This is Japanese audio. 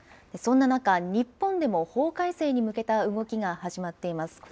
そんな中、日本でも、法改正に向けた動きが始まっています。